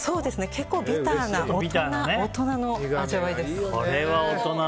結構ビターな大人の味わいです。